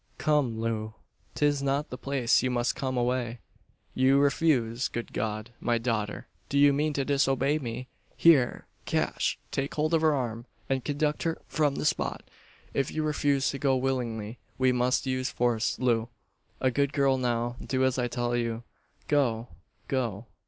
"Come, Loo! 'Tis not the place You must come away. You refuse! Good God! my daughter; do you mean to disobey me? Here, Cash; take hold of her arm, and conduct her from the spot. If you refuse to go willingly, we must use force, Loo. A good girl now. Do as I tell you. Go! Go!"